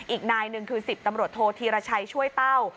อีกนายหนึ่งคือ๑๐ตำรวจโทษธีรชัยช่วยเต้า